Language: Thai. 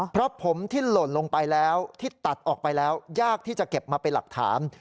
เพราะผมที่หล่นลงไปแล้วที่ตัดออกไปแล้วยากที่จะเก็บมาเป็นหลักฐาน